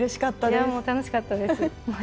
いやあもう楽しかったです。